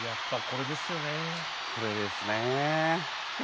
これですね。